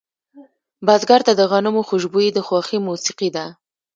بزګر ته د غنمو خوشبويي د خوښې موسیقي ده